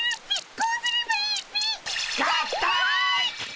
こうすればいいっピ！合体！